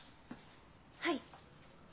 はい。